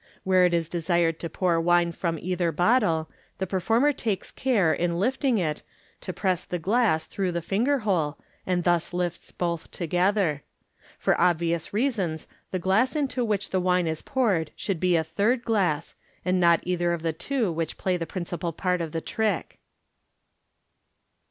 Where it is desired to pour wine from either bottle, the performer takes care, in lifting it, to press the glass through the finger hole, and thus lifts both together. For obvious reasons the glass into which the wine is poured should be a third glass, and not either of the two which play the principal part in the trick..